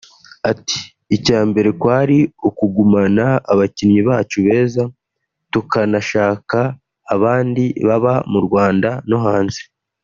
Ati “Icya mbere kwari ukugumana abakinnyi bacu beza tukanashaka abandi haba mu Rwanda no hanze